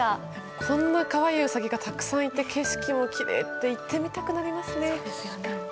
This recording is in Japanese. こんな可愛いウサギがたくさんいて景色もきれいって行ってみたくなりますね。